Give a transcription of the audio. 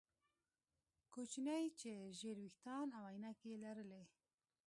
کوچنی چې ژیړ ویښتان او عینکې یې لرلې